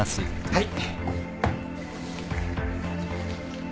はい。